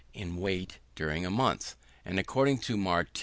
in weight during a month; and, according to Martell (Trans.